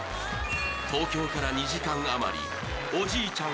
東京から２時間あまりおじいちゃん